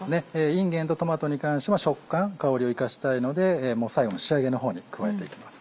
いんげんとトマトに関しては食感香りを生かしたいのでもう最後の仕上げの方に加えていきます。